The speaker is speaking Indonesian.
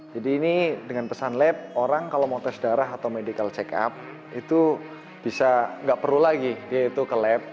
jadi ini dengan pesan lab orang kalau mau tes darah atau medical check up itu bisa nggak perlu lagi dia itu ke lab